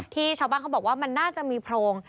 ชาวบ้านเขาบอกว่ามันน่าจะมีโพรง